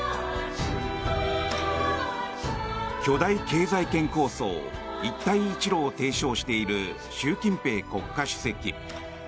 巨大経済圏構想、一帯一路を提唱している習近平国家主席。